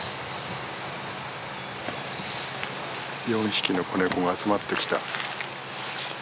４匹の子ネコが集まってきた。